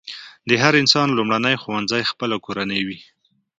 د هر انسان لومړنی ښوونځی خپله کورنۍ وي.